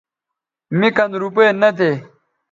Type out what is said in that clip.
مے کن روپے نہ تھے